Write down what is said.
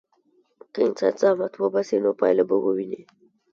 که انسان زحمت وباسي، نو پایله به وویني.